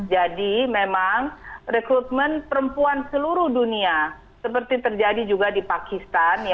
jadi memang rekrutmen perempuan seluruh dunia seperti terjadi juga di pakistan